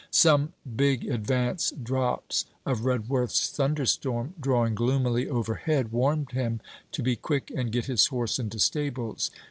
Some big advance drops of Redworth's thunderstorm drawing gloomily overhead, warned him to be quick and get his horse into stables.